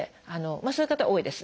そういう方多いです。